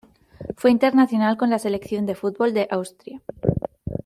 Fue internacional con la selección de fútbol de Austria.